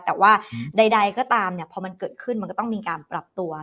แต่ว่าใดก็ตามพอมันเกิดขึ้นมันก็ต้องมีการปรับตัว